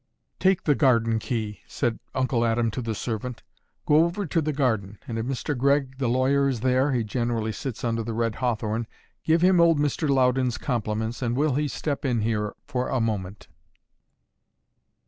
"Take the garden key," said Uncle Adam to the servant; "go over to the garden, and if Mr. Gregg the lawyer is there (he generally sits under the red hawthorn), give him old Mr. Loudon's compliments, and will he step in here for a moment?"